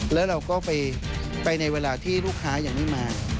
แล้วเราก็ไปในเวลาที่ลูกค้ายังไม่มา